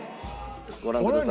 ご覧ください。